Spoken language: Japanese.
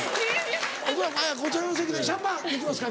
こちらの席でシャンパン抜きますか？